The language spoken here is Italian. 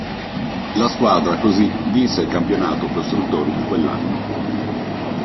La squadra, così, vinse il campionato costruttori di quell'anno.